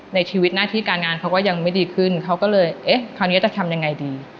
ในชีวิตหน้าที่การงานเขาก็ยังไม่ดีขึ้นเขาก็เลยเอ๊ะคราวนี้จะทำยังไงดี